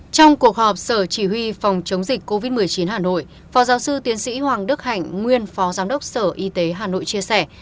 trong cuộc họp sở chỉ huy phòng chống dịch covid một mươi chín hà nội phó giáo sư tiến sĩ hoàng đức hạnh nguyên phó giám đốc sở y tế hà nội chia sẻ